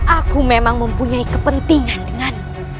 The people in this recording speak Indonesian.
aku memang mempunyai kepentingan denganmu